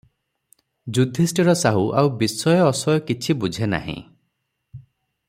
ଯୁଧିଷ୍ଟିର ସାହୁ ଆଉ ବିଷୟ ଅଶୟ କିଛିବୁଝେ ନାହିଁ ।